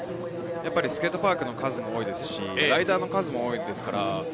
スケートパークの数も多いですし、ライダーの数も多いですから。